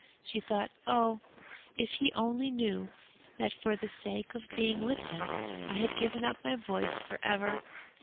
She thought, 'Oh! if he only knew that for the sake of being with him I had given up my voice for ever!'